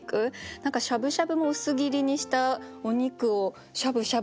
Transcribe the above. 何かしゃぶしゃぶも薄切りにしたお肉をしゃぶしゃぶ。